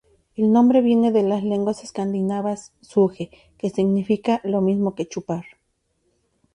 El nombre viene de las lenguas escandinavas, "suge", que significa lo mismo que chupar.